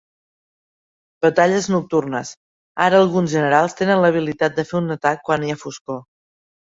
Batalles nocturnes: ara alguns generals tenen l'habilitat de fer un atac quan hi ha foscor.